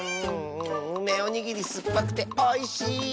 うめおにぎりすっぱくておいしい！